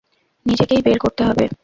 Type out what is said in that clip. নিজেকেই বের করতে হবে।